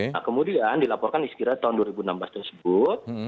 nah kemudian dilaporkan istirahat tahun dua ribu enam belas tersebut